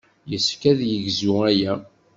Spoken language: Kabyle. Yessefk ad yegzu aya.